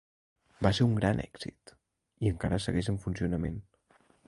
Va ser un gran èxit, i encara segueix en funcionament.